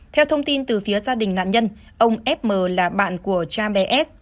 theo thông tin từ phía gia đình nạn nhân ông f m là bạn của cha bé s